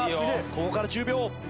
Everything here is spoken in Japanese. ここから１０秒。